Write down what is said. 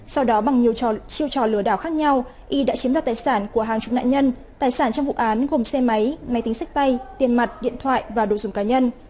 sau đó bằng nhiều chiêu trò lừa đảo khác nhau y đã chiếm đoạt tài sản của hàng chục nạn nhân tài sản trong vụ án gồm xe máy máy tính sách tay tiền mặt điện thoại và đồ dùng cá nhân